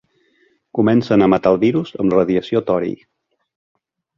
Comencen a matar el virus amb radiació tori.